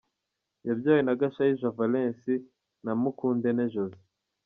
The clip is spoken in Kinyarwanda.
Yabyawe na Gashayija Valens na Mukundente Josee.